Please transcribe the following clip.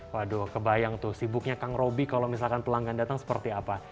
waduh kebayang tuh sibuknya kang roby kalau misalkan pelanggan datang seperti apa